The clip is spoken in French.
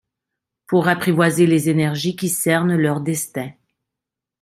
Pour apprivoiser les énergies qui cernent leurs destins.